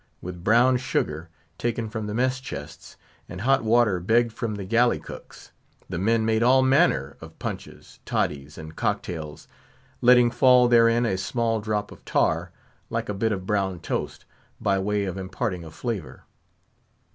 With brown sugar, taken from the mess chests, and hot water begged from the galley cooks, the men made all manner of punches, toddies, and cocktails, letting fall therein a small drop of tar, like a bit of brown toast, by way of imparting a flavour.